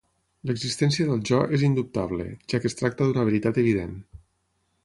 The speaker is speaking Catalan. L'existència del Jo és indubtable, ja que es tracta d'una veritat evident.